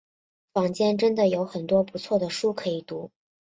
坊间真的有很多不错的书可以读